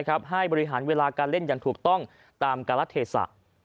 ให้บริหารเวลาการเล่นอย่างถูกต้องตามการละเทศะ